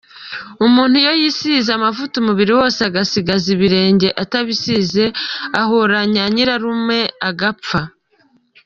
Umuntu iyo yisize amavuta umubiri wose agasigaza ibirenge atabisize, ahura na Nyirarume agapfa.